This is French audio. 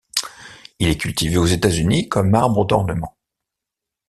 Il est cultivé aux États-Unis comme arbre d’ornement.